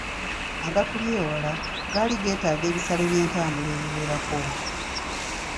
Agatuli ewala gaali geetaaga ebisale by’entambula ebiwerako.